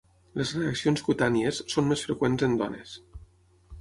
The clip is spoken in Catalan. Les reaccions cutànies són més freqüents en dones.